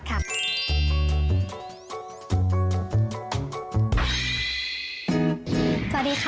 กะเพราแนวใหม่แปลกใหม่ไม่เหมือนใครกับกะเพราสามผ้า